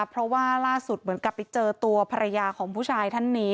เพราะว่าล่าสุดเหมือนกับไปเจอตัวภรรยาของผู้ชายท่านนี้